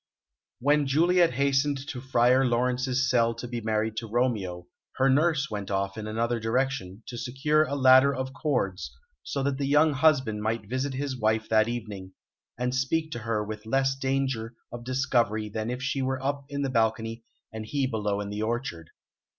When Juliet hastened to Friar Laurence's cell to be married to Romeo, her nurse went off in another direction, to secure a ladder of cords, so that the young husband might visit his wife that evening, and speak to her with less danger of discovery than if she were up in the balcony and he below in the orchard.